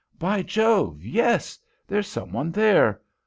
"By Jove, yes; there's some one there.